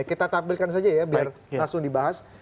kita tampilkan saja ya biar langsung dibahas